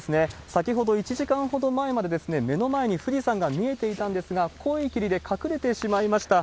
先ほど１時間ほど前まで、目の前に富士山が見えていたんですが、濃い霧で隠れてしまいました。